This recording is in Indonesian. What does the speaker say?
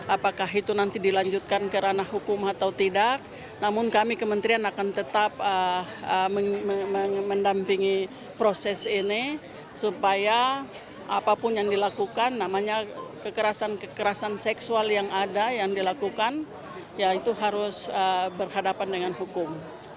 apakah itu nanti dilanjutkan ke ranah hukum atau tidak namun kami kementerian akan tetap mendampingi proses ini supaya apapun yang dilakukan namanya kekerasan kekerasan seksual yang ada yang dilakukan ya itu harus berhadapan dengan hukum